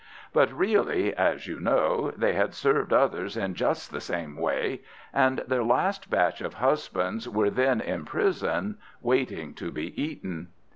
But really, as you know, they had served others in just the same way, and their last batch of husbands were then in prison, waiting to be eaten.